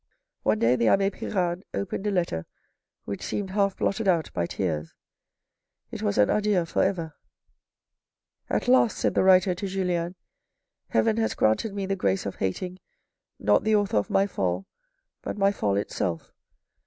One day the abbe Pirard opened a letter which seemed half blotted out by tears. It was an adieu for ever. " At THE WORLD, OR WHAT THE RICH LACK 185 last," said the writer to Julien, " Heaven has granted me the grace of hating, not the author of my fall, but my fall itself.